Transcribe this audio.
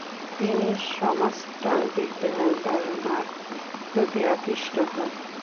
তিনি সমাজতান্ত্রিক ধ্যান-ধারণার প্রতি আকৃষ্ট হন।